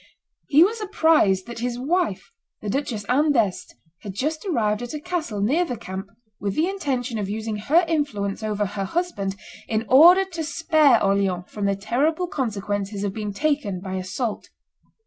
He was apprised that his wife, the Duchess Anne d'Este, had just arrived at a castle near the camp with the intention of using her influence over her husband in order to spare Orleans from the terrible consequences of being taken by assault.